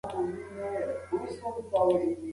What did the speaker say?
دولت سته.